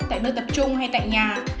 tại nơi tập trung hay tại nhà